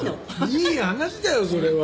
いい話だよそれは。